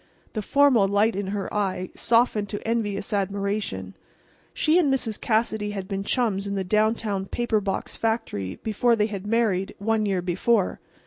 The formal light in her eye softened to envious admiration. She and Mrs. Cassidy had been chums in the downtown paper box factory before they had married, one year before.